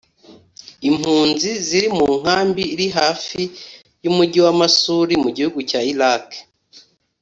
Impunzi ziri mu nkambi iri hafi y’umugi wa Masul mu gihugu cya Irak